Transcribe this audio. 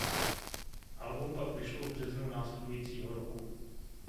Album pak vyšlo v březnu následujícího roku.